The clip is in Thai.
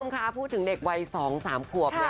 เพิ่มนะมาตรวจนุ่มนะคะพูดถึงเด็กวัย๒๓ขวพ